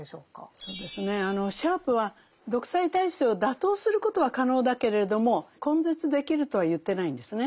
そうですねシャープは独裁体制を打倒することは可能だけれども根絶できるとは言ってないんですね。